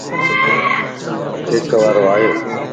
ڪيڪ وارو آيووَ